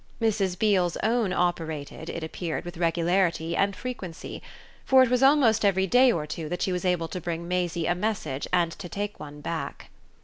Mrs. Beale's own operated, it appeared, with regularity and frequency; for it was almost every day or two that she was able to bring Maisie a message and to take one back.